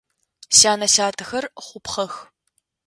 Сянэ-сятэхэр хъупхъэх.